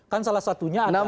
kan salah satunya adalah